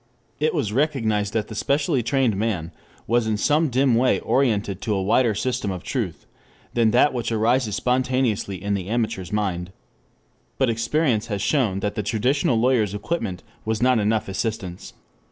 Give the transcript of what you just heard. It was recognized that the specially trained man was in some dim way oriented to a wider system of truth than that which arises spontaneously in the amateur's mind. But experience has shown that the traditional lawyer's equipment was not enough assistance.